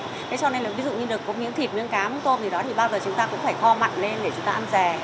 thế cho nên là ví dụ như được có miếng thịt miếng cá miếng tôm gì đó thì bao giờ chúng ta cũng phải kho mặn lên để chúng ta ăn rè